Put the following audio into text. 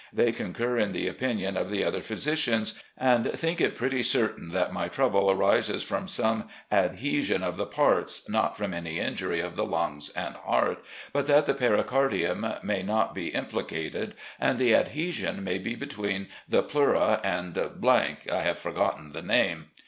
They concur in the opinion of the other physicians, and think it pretty certain that my trouble arises from some adhesion of the parts, not from any injury of the lungs and heart, but that the pericardium may not be implicated, and the adhesion may be between the pleura and , I have forgotten the name.